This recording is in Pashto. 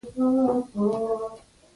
زړه د صبر سره تل پاتې کېږي.